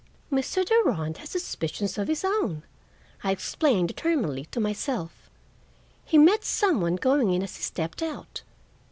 "Mr. Durand has suspicions of his own," I explained determinedly to myself. "He met some one going in as he stepped out.